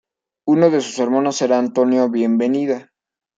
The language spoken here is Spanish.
Uno de sus hermanos era Antonio Bienvenida.